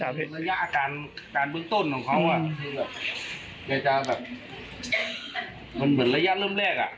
ระยะอาการเบื้องต้นของเขามันเหมือนระยะเริ่มแรก